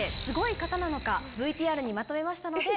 ＶＴＲにまとめました。